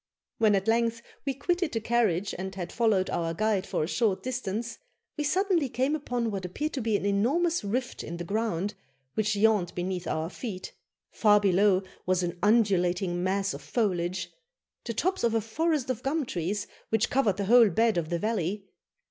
When at length we quitted the carriage and had followed our guide for a short distance, we suddenly came upon what appeared to be an enormous rift in the ground, which yawned beneath our feet. Far below was an undulating mass of foliage the tops of a forest of gum trees, which covered the whole bed of the valley.